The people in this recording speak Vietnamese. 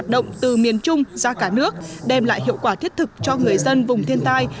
động từ miền trung ra cả nước đem lại hiệu quả thiết thực cho người dân vùng thiên tai